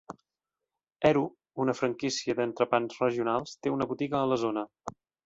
Hero, una franquícia d"entrepans regionals, té una botiga a la zona.